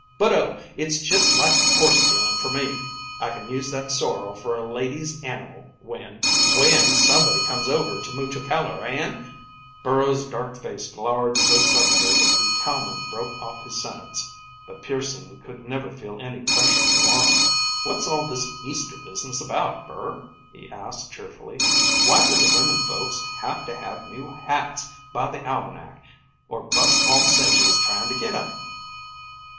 "But oh, it's just like horse stealing for me! I can use that sorrel for a lady's animal when—when somebody comes over to Mucho Calor, and—" Burrows' dark face glowered so suddenly that the cowman broke off his sentence. But Pearson could never feel any pressure for long. "What's all this Easter business about, Burr?" he asked, cheerfully. "Why do the women folks have to have new hats by the almanac or bust all cinches trying to get 'em?"